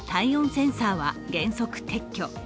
センサーは原則撤去。